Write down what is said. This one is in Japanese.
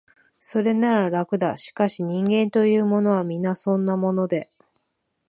それなら、楽だ、しかし、人間というものは、皆そんなもので、